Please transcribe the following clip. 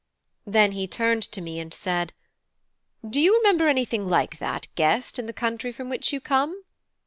Then he turned to me, and said: "Do you remember anything like that, guest, in the country from which you come?"